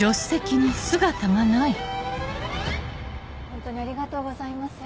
ホントにありがとうございます。